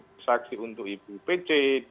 bersaksi untuk ibu pece